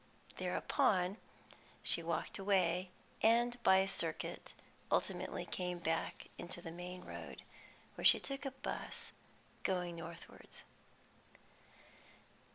Thereupon she walked away, and, by a circuit, ultimately came back into the main road, where she took a 'bus going northwards.